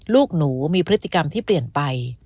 ลูกหนูมีพฤติกรรมที่เปลี่ยนไป